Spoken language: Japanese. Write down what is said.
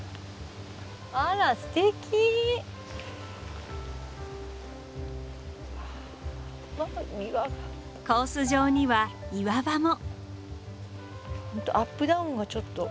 あらすてき！コース上には岩場も。